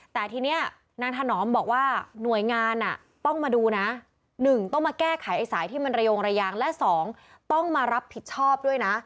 แต่ทีนี้นางถนอมบอกว่าหน่วยงานต้องมาดูนะ๑ต้องมาแก้ไขไอ้สายที่มันระโยงระยางและ๒ต้องมารับผิดชอบด้วยนะ